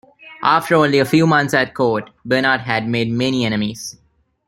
After only a few months at court, Bernard had made many enemies.